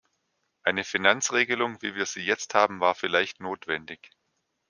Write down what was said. Eine Finanzregelung, wie wir sie jetzt haben, war vielleicht notwendig.